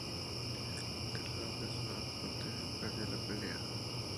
The Rock 'N' Sock Connection perdió la pelea.